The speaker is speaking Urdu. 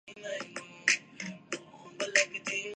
بولتے وقت الفاظ ایک دوسرے کے ساتھ جوڑ دیتا ہوں